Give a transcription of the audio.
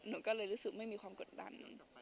หนูก็เลยรู้สึกไม่มีความกดดัน